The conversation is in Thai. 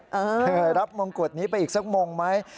เธอเคยรับมงกวดนี้ไปอีกสักโมงไหม